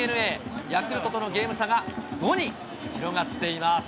ヤクルトとのゲーム差が５に広がっています。